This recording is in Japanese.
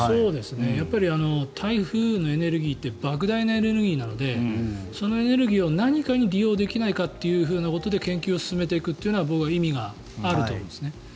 台風のエネルギーってばく大なエネルギーなのでそのエネルギーを何かに利用できないかということで研究を進めていくというのは僕は意味があると思うんですね。